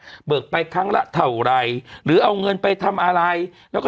ไปกี่ครั้งเบิกไปครั้งละเท่าไหร่หรือเอาเงินไปทำอะไรแล้วก็